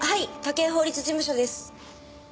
武井法律事務所です。